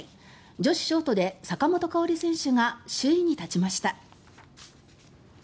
女子ショートで坂本花織選手が首位に立ちました。